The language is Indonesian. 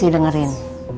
aku mau dengerin